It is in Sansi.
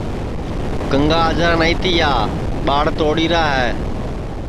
کنٚگا اجرا نائی تیا ٻاݪ توڑی را ہے